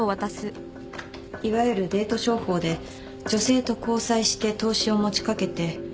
いわゆるデート商法で女性と交際して投資を持ち掛けて金をだまし取る手口です。